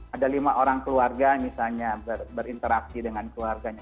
ada lima orang keluarga misalnya berinteraksi dengan keluarganya